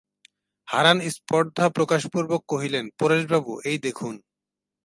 হারান স্পর্ধা প্রকাশপূর্বক কহিলেন, পরেশবাবু, এই দেখুন।